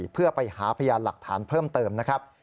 เพื่อไปหาพยานหลักฐานเพิ่มเติมนะครับ